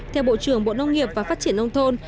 theo bộ trưởng bộ nông nghiệp và phát triển nông thôn